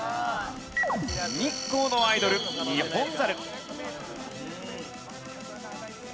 日光のアイドルニホンザル。